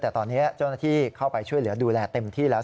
แต่ตอนนี้เจ้าหน้าที่เข้าไปช่วยเหลือดูแลเต็มที่แล้ว